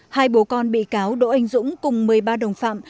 hai bố con bị cáo đỗ anh dũng cùng một mươi ba đồng phạm